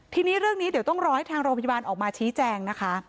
ทีนี้เรื่องนี้เดี๋ยวต้องรอให้ทางโรงพยาบาลออกมาชี้แจงนะคะ